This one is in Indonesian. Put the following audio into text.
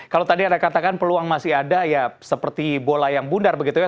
kalau tadi anda katakan peluang masih ada ya seperti bola yang bundar begitu ya